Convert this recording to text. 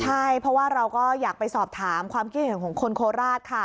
ใช่เพราะว่าเราก็อยากไปสอบถามความคิดเห็นของคนโคราชค่ะ